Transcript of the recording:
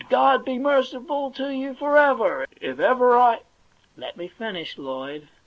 God be merciful to you for ever ! If ever I ' *Let me finish, Lloyd.